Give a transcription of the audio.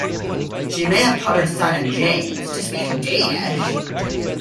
She may have taught her son James to speak Danish.